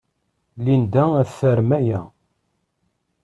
Linda ad tarem aya.